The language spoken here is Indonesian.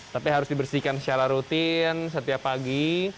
tapi harus dibersihkan secara rutin setiap pagi